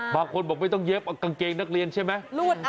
บางคนบอกไม่ต้องเย็บกางเกงนักเรียนใช่ไหม